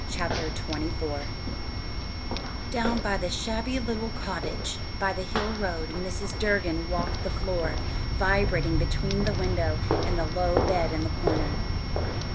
CHAPTER XXIV Down in the shabby little cottage on the Hill road Mrs. Durgin walked the floor, vibrating between the window and the low bed in the corner.